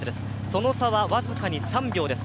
その差は僅かに３秒です。